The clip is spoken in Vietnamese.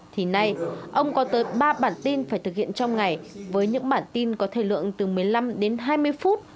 thì nay ông có tới ba bản tin phải thực hiện trong ngày với những bản tin có thời lượng từ một mươi năm đến hai mươi phút